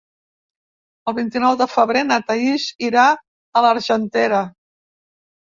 El vint-i-nou de febrer na Thaís irà a l'Argentera.